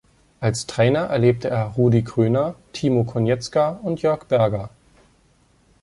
Als Trainer erlebte er Rudi Kröner, Timo Konietzka und Jörg Berger.